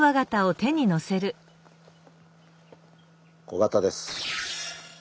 小型です。